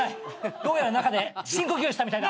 どうやら中で深呼吸したみたいだ。